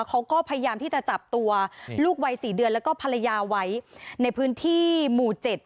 เขาก็พยายามที่จะจับตัวลูกวัย๔เดือนแล้วก็ภรรยาไว้ในพื้นที่หมู่๗